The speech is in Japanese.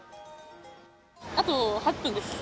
あと８分です。